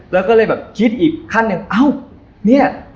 แล้วก็เลยแบบคิดอีกขั้นหนึ่งเอ้าเนี่ย